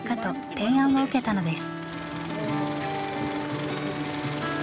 提案を受けたのです。